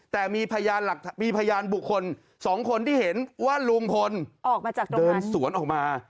แต่มีพยานบุคคล๒คนที่เห็นว่าลุงคนเดินสวนออกมา